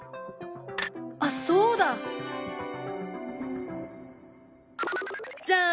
あっそうだ！じゃん！